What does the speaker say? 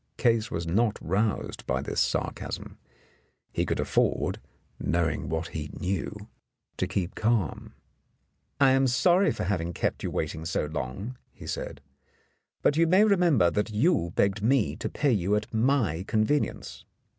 Case was not roused by this sarcasm ; he could afford, knowing what he knew, to keep calm. "I am sorry for having kept you waiting so long," he said. "But you may remember that you begged me to pay you at my convenience.